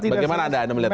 bagaimana anda melihatnya